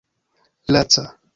laca